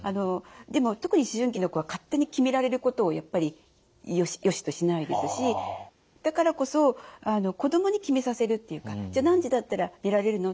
でも特に思春期の子は勝手に決められることをやっぱりよしとしないですしだからこそ子どもに決めさせるっていうか「じゃあ何時だったら出られるの？」